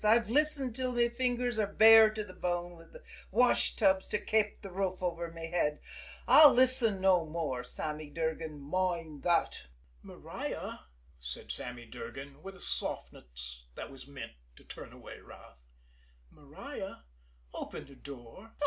I've listened till me fingers are bare to the bone wid the washtubs to kape a roof over me head. I'll listen no more, Sammy Durgan, moind thot!" "Maria," said Sammy Durgan, with a softness that was meant to turn away wrath, "Maria, open the door."